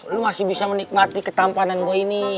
lu masih bisa menikmati ketampanan gue ini